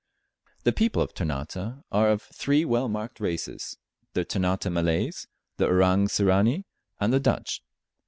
The people of Ternate are of three well marked races the Ternate Malays, the Orang Sirani, and the Dutch.